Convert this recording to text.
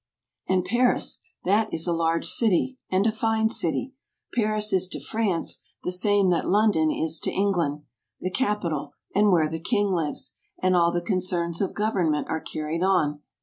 And Paris, that is a large city, and a fine city. Paris is to France, the same that London is to England; the capital, and where the King lives, and all the concerns of government are carried on.